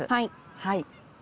はい。